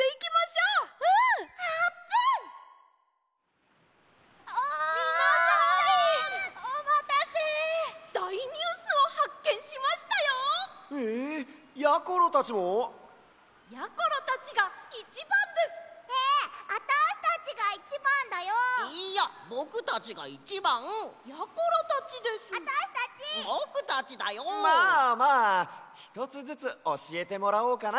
まあまあひとつずつおしえてもらおうかな！